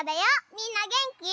みんなげんき？